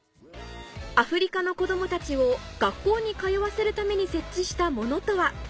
アフリカの子供たちを学校に通わせるために設置したものとは？